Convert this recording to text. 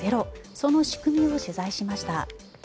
その仕組みを取材しました。